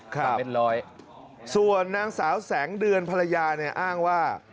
เป็นร้อยส่วนนางสาวแสงเดือนภรรยาเนี่ยอ้างว่า